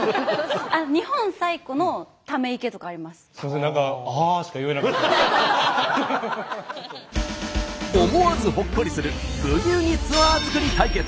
正直思わずほっこりする「ブギウギ」ツアー作り対決。